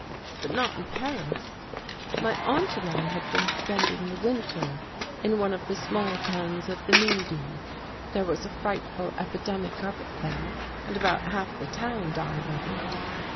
But not in Paris. My Aunt and I had been spending the winter in one of the small towns of the Midi. There was a frightful epidemic of it there and about half the town died of it.